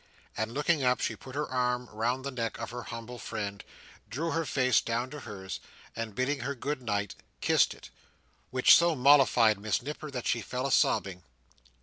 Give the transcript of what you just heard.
And looking up, she put her arm round the neck of her humble friend, drew her face down to hers, and bidding her good night, kissed it; which so mollified Miss Nipper, that she fell a sobbing.